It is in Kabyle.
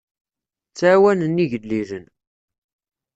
Ttɛawanen igellilen.